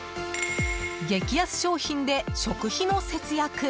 激安商品で食費の節約。